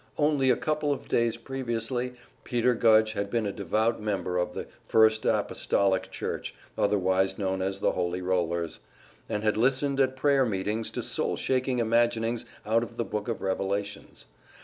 Only a couple of days previously Peter Gudge had been a devout member of the First Apostolic Church, otherwise known as the Holy Rollers, and had listened at prayer meetings to soul shaking imaginings out of the Book of Revelations.